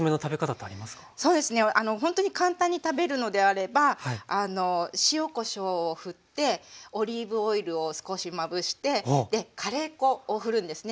ほんとに簡単に食べるのであれば塩こしょうをふってオリーブオイルを少しまぶしてカレー粉をふるんですね。